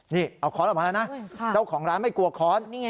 นี่เอาค้อนออกมาแล้วนะเจ้าของร้านไม่กลัวค้อน